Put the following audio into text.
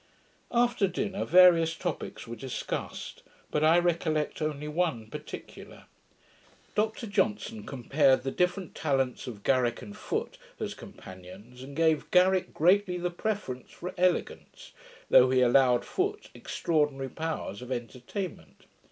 After dinner, various topicks were discussed; but I recollect only one particular. Dr Johnson compared the different talents of Garrick and Foote, as companions, and gave Garrick greatly the preference for elegance, though he allowed Foote extraordinary powers of entertainment.